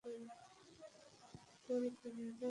এখন কুমারাপ্পার শাসন চলছে ওখানে।